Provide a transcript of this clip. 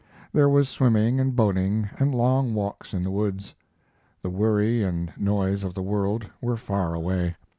There were swimming and boating and long walks in the woods; the worry and noise of the world were far away.